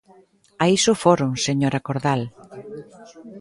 A iso foron, señora Cordal.